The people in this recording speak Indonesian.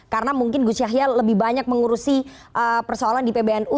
karena mungkin gus yahya lebih banyak mengurusi persoalan di nu